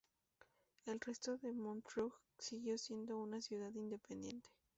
El resto de Montrouge siguió siendo una ciudad independiente.